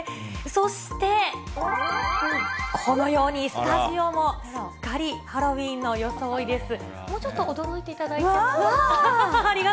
そして、このようにスタジオもすっかりハロウィーンの装いです。